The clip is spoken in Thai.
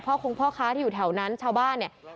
คงพ่อค้าที่อยู่แถวนั้นชาวบ้านเนี่ย